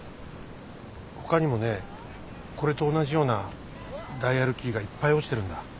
ほかにもねこれと同じようなダイヤルキーがいっぱい落ちてるんだ。